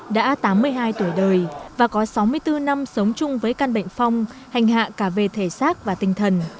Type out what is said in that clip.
đã tám mươi hai tuổi đời và có sáu mươi bốn năm sống chung với căn bệnh phong hành hạ cả về thể xác và tinh thần